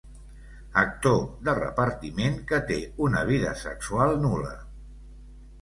Actor de repartiment que té una vida sexual nul·la.